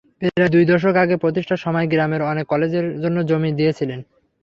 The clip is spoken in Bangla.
প্রায় দুই দশক আগে প্রতিষ্ঠার সময় গ্রামের অনেকে কলেজের জন্য জমি দিয়েছিলেন।